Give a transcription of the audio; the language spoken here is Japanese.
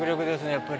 やっぱり。